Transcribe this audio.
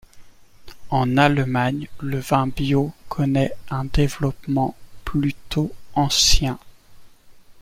En Allemagne, le vin bio connaît un développement plutôt ancien.